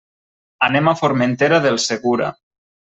Anem a Formentera del Segura.